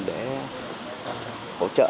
để hỗ trợ